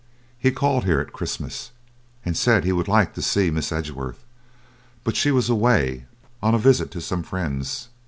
He called here at Christmas, and said he would like to see Miss Edgeworth; but she was away on a visit to some friends.